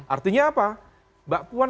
artinya apa mbak puan